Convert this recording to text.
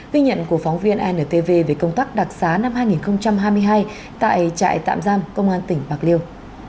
quy nhận của phóng viên antv về công tác đặc sá năm hai nghìn hai mươi hai tại trại tạm giam công an tỉnh bạc liêu